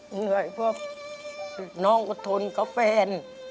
เหนื่อยเพราะน้องอดทนกับแฟน